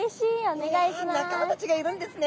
わ仲間たちがいるんですね。